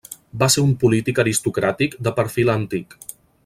Va ser un polític aristocràtic de perfil antic.